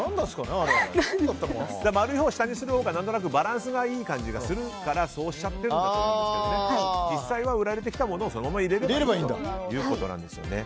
丸いほうを下にするほうが何となくバランスがいい感じがするからそうしちゃってるんだと思いますけど実際は売られてきたものをそのまま入れればいいということなんですね。